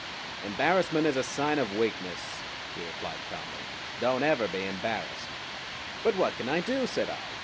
"Embarrassment is a sign of weakness," he replied calmly. "Don't ever be embarrassed." "But what can I do?" said I.